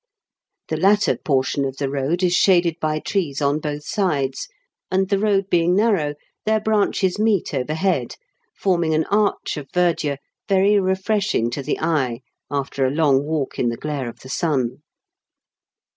The latter portion of the road is shaded by trees on both sides, and, the road being narrow, their branches meet overhead, forming an arch of verdure very refreshing to the eye after a long walk in the glare of the sun.